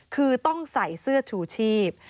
คือต้องใส่เสื้อชูชีพ